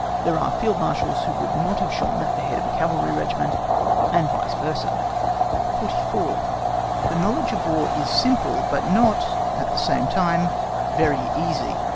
There are Field Marshals who would not have shone at the head of a cavalry regiment, and vice versa. 44. THE KNOWLEDGE IN WAR IS VERY SIMPLE, BUT NOT, AT THE SAME TIME, VERY EASY.